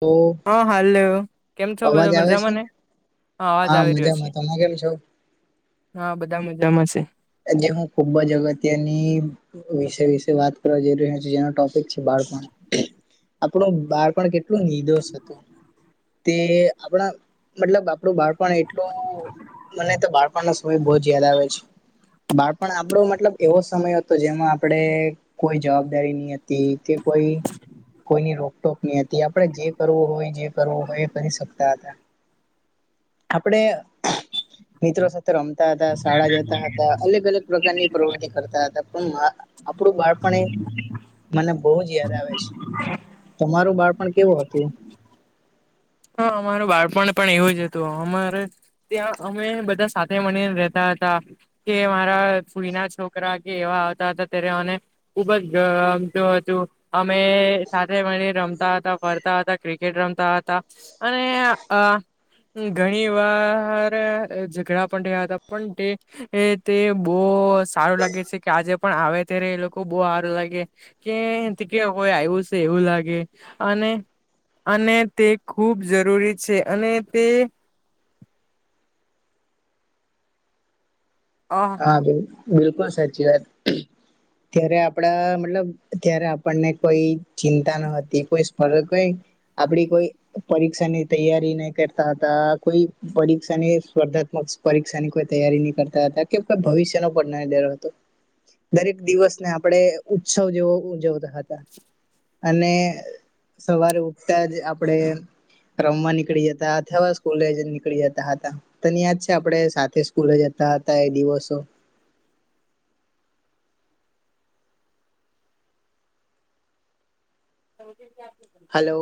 તો હા, હાલો કેમ છો અવાજ બધાં આવે છે મજામાંને? હ અવાજ હા આવી રહ્યો છે. મજામાં તમે કેમ છો [inaudible] હા, બધાં મજામાં છે. આજે હું ખૂબ જ અગત્યની વિષય વિશે વાત કરવા જઈ રહ્યો છું જેનો ટોપ બાળપણ આપણું બાળપણ કેટલું નિર્દોષ હતું. તે આપણાં મતલબ આપ આપરું બાળપણ એટલું મને તો બાળપણનો સમય બોજ યાદ આવે છે. બાળપણ આપરો મતલબ એવો સમય હતો જેમાં આપડે કોઈ જવાબદારી ની હતી કે કોઈ કોઈની રોકટોક ની હતી આપડે જે કરવું હોય જે કરવું હોય એ કરી શકતા હતા. આપડે મિત્રો સાથે રમતા હતાં, શાળા જતાં હતા અલગ અલગ પ્રકારની પ્રવૃત્તિ કરતા હતા પણ આપણું બાળપણ એ મને બો બોજ યાદ આવે છે. તમારું બાળપણ કેવું હતું? હા, અમારું બાળપણ પણ એવું જ હતું અમારે ત્યાં અમે બધા સાથે મળીને રેતા હતા કે મારા ફોઈના છોકરા કે એવા આવતા હતા ત્યારે અને ખુબ જ [unintelligible] હતું. અમે સાથે મળીને રમતા હતા ફરતા હતા ક્રિકેટ રમતા હતા. અને અ ઘણી વાર ઝઘડા પણ રહ્યા હતા પણ તે અ તે બઉ બઉ સારું લાગે છે કે આજે પણ આવે ત્યારે એ લોકો બહુ હારું લાગે કે તે કોઈ આયુ [unintelligible] લાગે અને અને તે ખૂબ જરૂરી છે અને તે અ હા બિલ બિલકુલ સાચી વાત. ત્યારે આપડા મતલબ ત્યારે આપણને કોઈ ચિંતા ન હતી કોઈ ફરક કઈ આપડી કોઈ પરીક્ષા ની તૈયારી નહી કરતા હતા કોઈ પરીક્ષાની સ્પર્ધા પરીક્ષાની કોઈ તૈયારી નહી કરતા હતા તારે કેવું કે ભવિષ્ય નો પણ ન ડર હતો. દરેક દિવસને આપણેે ઉત્સવ જેવો ઉજવતા હતા. અને સવારે ઉઠતા જ આપણેે રમવા નીકળી જતા અથવા સ્કૂલે જ નીકળી જતા હતા તને યાદ છે આપને સાથે સ્કૂલે જતા હતા. એ દિવસો. [inaudible] Hello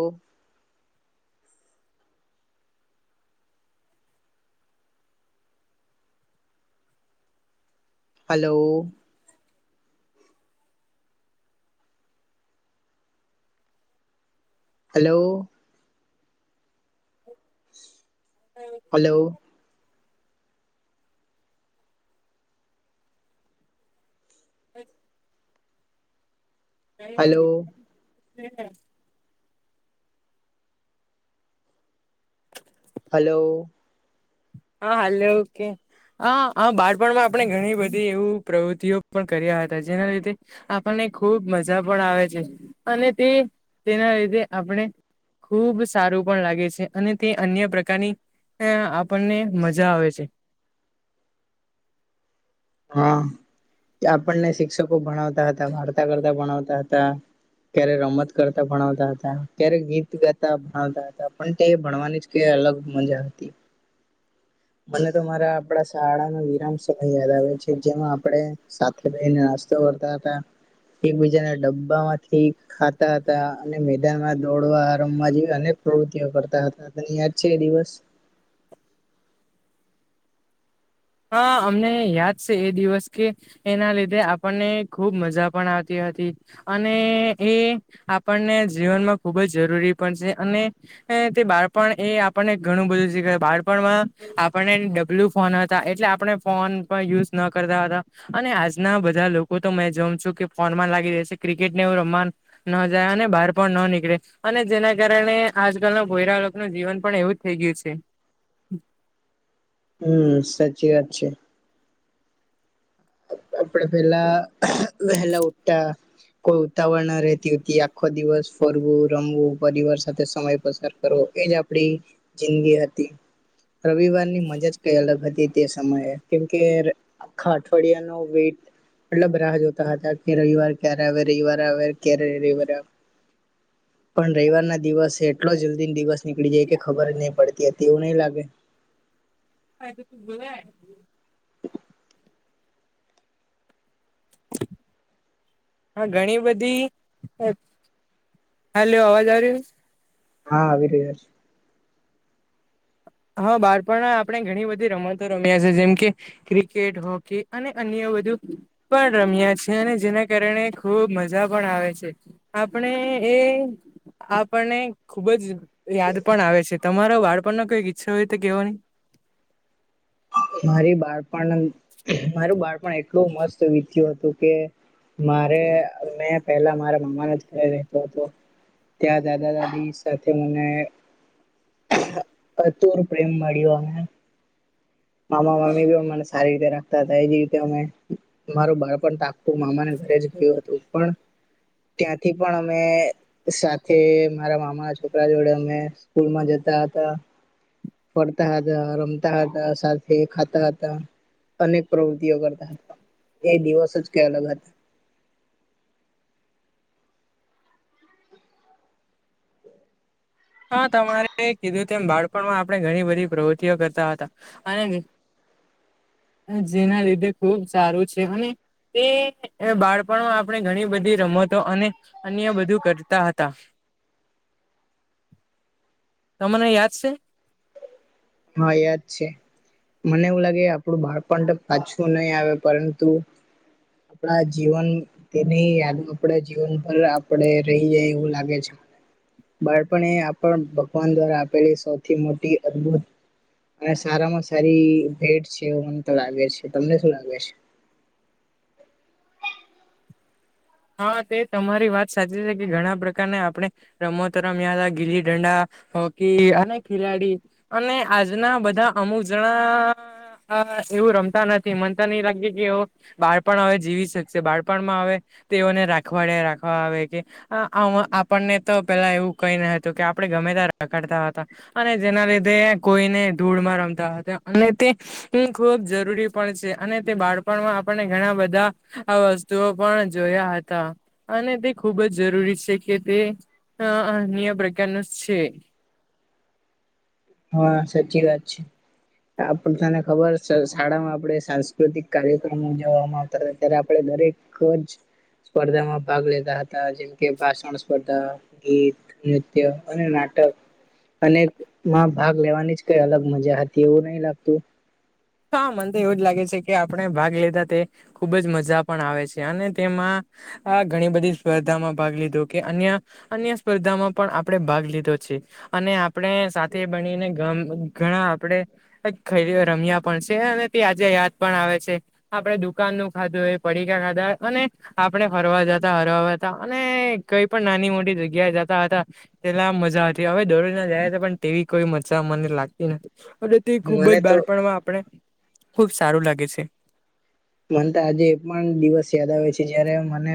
hello. હલો હલો [inaudible] એક હલો [unintelligible] હલો હા હલો ઓકે હ આ બાળપણમાં આપણે ઘણી બધી એવું પ્રવૃત્તિઓ પણ કર્યા હતા જેના લીધે આપણને ખૂબ મજા પણ આવે છે અને તે તેના લીધે આપણે ખુબ સારું પણ લાગે છે અને તે અન્ય પ્રકારની આપણને મજા આવે છે હા આપણને શિક્ષકો ભણાવતા હતા વાર્તા કરતા ભણાવતા હતા ક્યારે રમત કરતા ભણાવતા હતા ક્યારે ગીત ગાતા ભણાવતા હતા પણ તે ભણવાની જ કે અલગ મજા હતી [inaudible] મને તો મારા આપડા શાળાના વિરામ સમય યાદ આવે જેમાં આપણે સાથે બેહીને નાસ્તો કરતા હતા એકબીજાના ડબ્બામાંથી ખાતા હતા અને મેદાનમાં દોડવા રમવા જઈએ અને પ્રવૃત્તિઓ કરતા હતા તને યાદ છે એ દિવસ [inaudible] હા અમને યાદ છે એ દિવસ કે એના લીધે આપણને ખુબ મજા પણ આવતી હતી અને એ આપણને જીવનમાં ખુબ જ જરૂરી પણ છે અને તે બાળપણ એ આપણને ઘણું બધું શીખવે બાળપણમાં આપણને ડબલું ફોન હતા એટલે આપણે ફોન પણ યુઝ ના કરતા હતા અને આજના બધા લોકો તો મે જોમ છું કે ફોન મા લાગી ક્રિકેટ ને એવું રમવા ન જાય અને બહાર પણ ન નીકળે અને જેના કારણે આજકાલના ભોયરા લોકનું જીવન પણ એવું જ થઈ ગયું છે હમ સાચી વાત છે આપડે પેલા વહેલા ઊઠતા કોઈ ઉતાવળ ન રહેતી હતી આખો દિવસ ફરવું રમવું પરિવાર સાથે સમય પસાર કરવો એજ આપડી જિંદગી હતી રવિવારની મજા જ કઈ અલગ હતી તે સમયે કેમકે આખા અઠવાડિયા નો વેટ મતલબ રાહ જોતા હતા કે રવિવાર ક્યારે આવે રવિવાર આવે ક્યારે [inaudible] પણ રવિવાર ના દિવસે એટલો જલ્દી દિવસ નીકળી જાય કે ખબર નહી પડે ત્યાં તેવું નહી લાગે હા તો તું ગ [inaudible] હા ઘણી બધી હલે એ અવાજ આવ્યો હા આવી રહ્યા છે હા બાળપણ આપણે ઘણી બધી રમતો રમ્યા છે જેમ કે ક્રિકેટ હોકી અને અન્ય પણ રમ્યા છે અને જેના કારણે ખુબ મજા પણ આવે છે આપણે એ આપણને ખુબ જ યાદ પણ આવે છે તમારો બાળપણ ન કઈચ છય તો કેવો નહી મારી બાળપણ મારું બાળપણ એટલું મસ્ત વિત્યું હતું કે મારે મેં પેલા મારા મામાને જ ઘરે રહેતો હતો ત્યાં દાદા દાદી સાથે મને અતર પ્રેમ મળ્યો માામા મામી ભીને સારી રીતે રખતા હતા એ જ રીતે હમે મારું બાળપણ ટાકતું મામાને ઘરે જ ગયું હતું પણ ત્યાંથી પણ અમે સાથે મારા મામા છોકરા જોડે અમે સ્કૂલમાં જ ફરતા હતા રમતા હતા સાથે ખાતા હતા અનેક પ્રવૃતિઓ કરતા હતા એ દિવસ જ ક અલગ હતા [inaudible] હા તમારે કીધું એ બાળપણમાં આપણે ઘણી બધી પ્રવૃતિઓ કરતા હતા અને જેના લીધે ખુબ સારું છે અને એ બાળપણ આપણે ઘણી બધી રમતો અને અન્ય બધું કરતા હતા ત મને યાદ છે હા યાદ છે મને એવું લાગે આપણું બાળપણ તો પાછું નહી આવે પરંતુ આપણા જીવન તેની યાદો આપડ જીવનભર આપડે રહી જાય એવું લાગે છે મને બાળપણ એ આપણ ભગવાન દ્વારા આપેલી સૌથી મોટી અદભુત અને સારામાં સારી ભેટ છે મને તો લાગે છે તમને શું લાગે છે હા તે તમારી વાત સાચી છે કે ઘણા પ્રકારના આપણે રમત રમ્યા હતા ગીલી ઢંડા હોકી અને ખેલાડી અને આજના બધા અમુક જણા અ એવું રમતા નથી મનતા નહી લાગે કે એ બાળપણ હ જીવી શકશે બાળપણમાં આવે તેઓને રાખવાડે રાખવા આવે કે આપણને તો પેલા એવું કઈ ના હતું કે આપડણે ગમે રડતા હતા અને જેના લીધે કોઈને ધૂળમાં રમતા હતા અને તે ખૂબ જરૂરી પણ છે અને તે બાળપણમાં આપને ઘણા બધા આ વસ્તુઓ પણ જોયા હતા અને તે ખુબ જ જરૂરી છે કે તે હા અન્ય પ્રકારનું જ છે હા સાચી વાત છે આપડ તને ખબર શાળામાં આપણે સાંસ્કૃતિક કાર્યક્રમો ઉજવવામાં આવતા હતા ત્યારે આપડે દરેક જ સ્પર્ધામાં ભાગ લેતા હતા જેમ કે ભાષણ સ્પર્ધા ગીત નૃત્ય અને અનેમાં ભાગ લેવાની જ કઈ અલગ મજા હતી એવું નહી લાગતું હા મને તો એવું જ લાગે છે કે આપણે ભાગ લેતા તે ખુબ જ મજા પણ આવે છે અને તેમાં આ ઘણી બધી સ્પર્ધામાં ભાગ લીધો કે અન્ય અન્ય સ્પર્ધામાં પણ આપણે ભાગ લીધો છે અને આપણે સાથે બનીને ઘણા આપણે રમ્યા પણ છે અને તે આજે યાદ પણ આવે છે આપડે દુકાન નું ખાધું એ પડીકા ખાધા અને આપણે ફરવા જતા ફરવા હતા અને કઈ પણ નાની મોટી જગ્યાએ જતા હતા તેલા મજા હવે દોડી ના જયા હતા પણ તેવી કોઈ મજા મને લાગતી નથી એટ તે ખુબ જ મને તો બાળપણમાં આપણે ખુબ સારું લાગે છે મને તો આજે એ પણ દિવસ યાદ આવે છે જયારે મને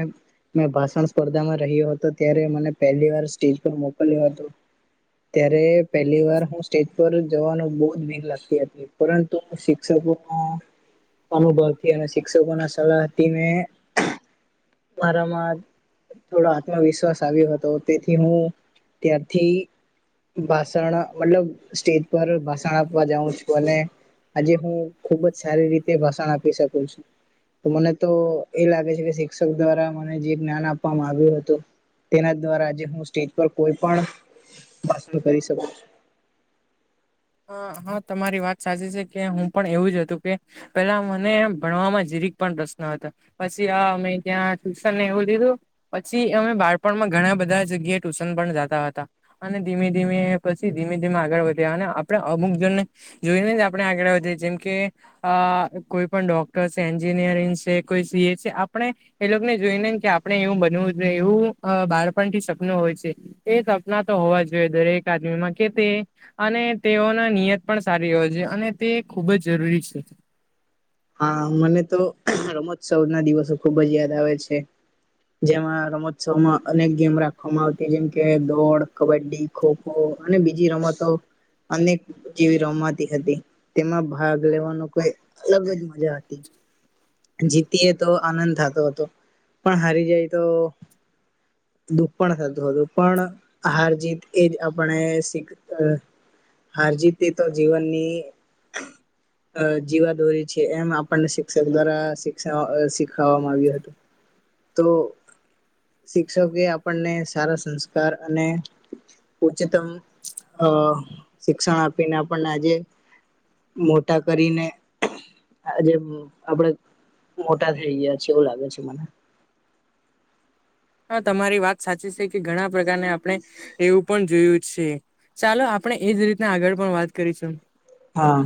મેં ભાષણ સ્પર્ધામાં રહ્યો હતો ત્યારે મને પહેલી વાર સ્ટેજ પર મોકલ્યો હતો ત્યારે પહેલી વાર હું સ્ટેજ પર જવાનું બહું જ ભીક લાગતી હતી પરંતુ શિક્ષણ [unintelligible] અનુભવથી અને શિક્ષકોના સલાહ હતીનમે મરામાં થોડો આત્મવિશ્વાસ આવ્યો હતો તેથી હું ત્યારથી ભાષણ મતલબ સ્ટેજ પર ભાષણ આપવા જાઉં છું અને આજે હું ખુબ જ સારી રીતે ભાષણ આપી શકું છું મને તો એ લાગે છે કે શિક્ષક દ્વારા મને જે જ્ઞાન આપવામાં આવ્યું હતું તેના દ્વારાજે હું સ્ટેજ પર કોઈ પણસ કરી શકું છું [unintelligible] તમારી વાત સાચી છે કે હું પણ એવું જ હતું કે પેલા મને ભણવામાં જ [unintelligible] પછી ત્યાં એવ લીધું પછી અમે બાળપણમાં ઘણા બધા જગ્યાએ ટ્યુશન પણ જતા હતા અને ધીમે ધીમે પછી ધીમે ધીમે આગળ વધ્યા અને અમુકને જોઈને જ આપણે આગળ વધી જેમ કે કોઈ પણ ડોક્ટર છે છ [unintelligible] કોઈ સીએ છે આપણે એ લોકોને જોઈ ને કે આપણે એવું બનવું જોઈએ એવું [unintelligible] સપનું હોય છે એ સપના તો હોવા જોઈએ દરેક આદમીમાં કે તે અને તેઓના નિયત પણ સારી રહ્યો છે અને તે ખૂબ જ જરૂરી છે હા મને તો રમોત્સવ [unintelligible] ના દિવસો ખુબ જ યાદ આવે છે જેમાં રમોત્સવમાં અનેક ગેમ રાખવામાં આવતી જેમકે દોડ કબડ્ડી ખોખો અને બીજી રમતો અનેક જેવી રમાતી હતી તેમાં ભાગ લેવાનો કોઈ અલગ જ મજા આતી. જીતીએ તો આનંદ થતો હતો પણ હારી જાય તો દુખ પણ થતું હતું પણ હાર જીત એજ આપણે શીખ હાર જીત તે તો જીવનની [unintelligible] જીવાદોરી છે એમ આપણને શિક્ષક દ્વારા શિકષ શીખવામાં આવ્યું હતું તો [inaudible] શિક્ષકે આપણને સારા સંસ્કાર અને ઉચ્ચતમ અ શિક્ષણ આપીને પણને આજે મોટા કરીને જે આપડે મોટા થઈ ગયા છેએ એવું લાગે છે મને. હા તમારી વાત સાચી છે કે ઘણા પ્રકારને આપણે એવું પણ જોયું છે ચાલો આપણે એજ રીતના આગળ પણ વાત કરીશું. હા